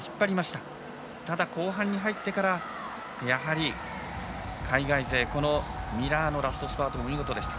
ただ、後半に入ってからやはり海外勢ミラーのラストスパートも見事でした。